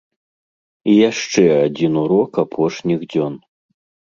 І яшчэ адзін урок апошніх дзён.